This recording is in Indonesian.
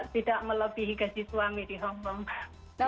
tidak melebihi gaji suami di hongkong